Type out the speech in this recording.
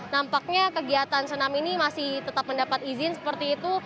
nampaknya kegiatan senam ini masih tetap mendapat izin seperti itu